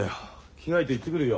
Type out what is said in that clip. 着替えて行ってくるよ。